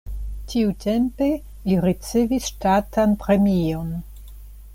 Tiutempe li ricevis ŝtatan premion.